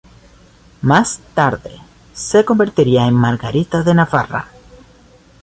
Más tarde, se convertiría en Margarita de Navarra.